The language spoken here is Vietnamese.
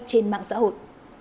trên mạng xã hội